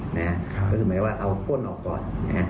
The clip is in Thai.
หมายว่าเอาป้นออกก่อน